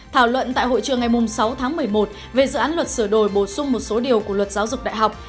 thảo luận tại hội trường ngày sáu tháng một mươi một về dự án luật sửa đổi bổ sung một số điều của luật giáo dục đại học